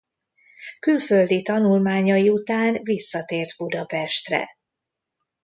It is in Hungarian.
Külföldi tanulmányai után visszatért Budapestre.